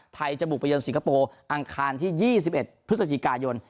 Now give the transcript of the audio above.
จะบุกไปเยินสิงคโปร์อังคารที่๒๑พฤศจิกายน